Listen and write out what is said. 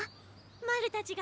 マルたちが？